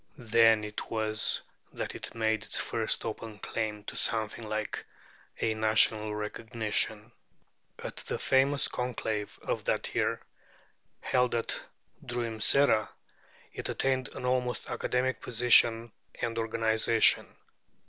Then it was that it made its first open claim to something like a national recognition. At the famous conclave of that year, held at Druimceta, it attained an almost academic position and organization.